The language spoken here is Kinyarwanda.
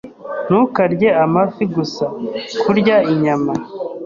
Ntukarye amafi gusa. Kurya inyama.